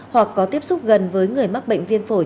hoặc có tiếp xúc gần với người mắc bệnh viêm phổi